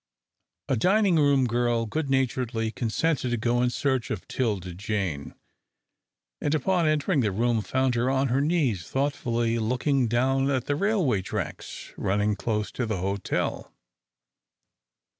A dining room girl good naturedly consented to go in search of 'Tilda Jane, and upon entering the room found her on her knees thoughtfully looking down at the railway tracks running close to the hotel.